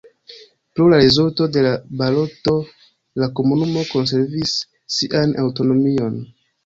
Pro la rezulto de la baloto la komunumo konservis sian aŭtonomion.